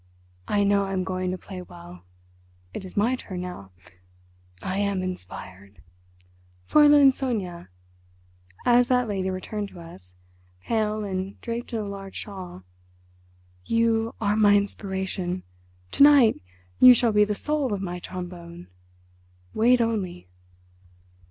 I know I am going to play well. It is my turn now. I am inspired. Fräulein Sonia"—as that lady returned to us, pale and draped in a large shawl—"you are my inspiration. To night you shall be the soul of my trombone. Wait only."